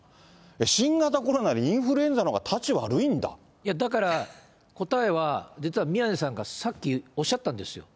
新型コロナよりインフルエンザのほうが、いやだから、答えは実は宮根さんがさっきおっしゃったんですよ。